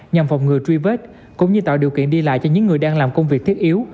nhằm phòng ngừa truy vết cũng như tạo điều kiện đi lại cho những người đang làm công việc thiết yếu